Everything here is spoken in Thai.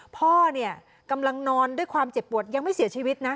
พ่อเนี่ยกำลังนอนด้วยความเจ็บปวดยังไม่เสียชีวิตนะ